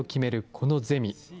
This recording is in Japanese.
このゼミ。